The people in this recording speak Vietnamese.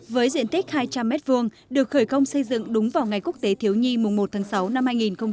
với diện tích hai trăm linh m hai được khởi công xây dựng đúng vào ngày quốc tế thiếu nhi mùng một tháng sáu năm hai nghìn hai mươi